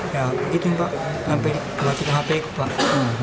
ya begitu pak sampai melakukan hp itu pak